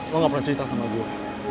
lo gak pernah cerita sama gue